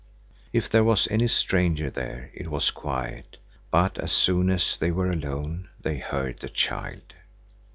If there was any stranger there, it was quiet, but as soon as they were alone, they heard the child.